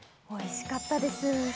おいしかったです。